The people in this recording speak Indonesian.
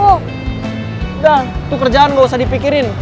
udah itu kerjaan gak usah dipikirin